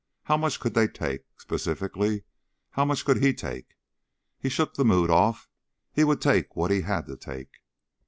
How much could they take? Specifically, how much could he take? He shook the mood off. He'd take what he had to take.